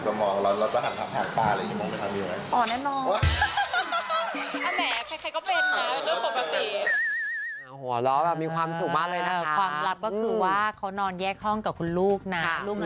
จริงมีความคิดด้วยกันสองคนไหม